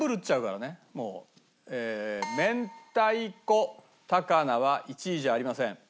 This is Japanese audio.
明太子高菜は１位じゃありません。